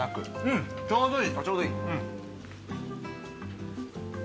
うん、ちょうどいい。